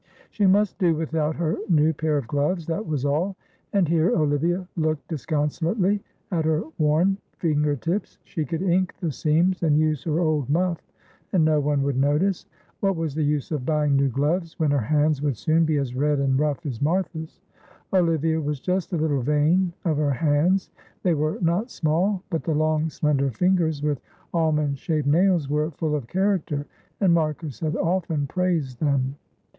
She must do without her new pair of gloves, that was all, and here Olivia looked disconsolately at her worn finger tips; she could ink the seams and use her old muff, and no one would notice; what was the use of buying new gloves, when her hands would soon be as red and rough as Martha's. Olivia was just a little vain of her hands; they were not small, but the long slender fingers with almond shaped nails were full of character, and Marcus had often praised them.